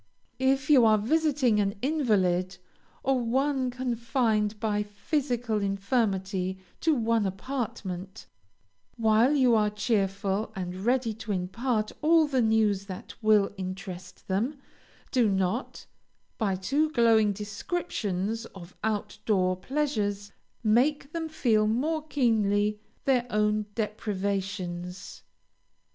If you are visiting an invalid, or one confined by physical infirmity to one apartment, while you are cheerful and ready to impart all the news that will interest them, do not, by too glowing descriptions of out door pleasures, make them feel more keenly their own deprivations.